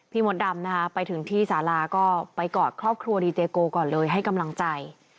มดดำนะคะไปถึงที่สาราก็ไปกอดครอบครัวดีเจโกก่อนเลยให้กำลังใจ